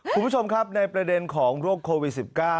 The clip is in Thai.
คุณผู้ชมครับในประเด็นของโรคโควิด๑๙